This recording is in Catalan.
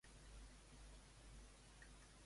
I a on li diu la divinitat que escapi?